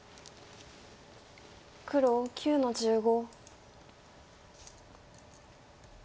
黒９の十五。